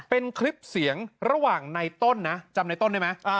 เป็นคลิปเสียงระหว่างในต้นนะจำในต้นได้ไหม